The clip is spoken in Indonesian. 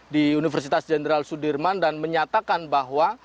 di universitas jenderal sudirman dan menyatakan bahwa